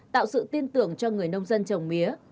tạo sự tin tưởng cho người nông dân trồng mía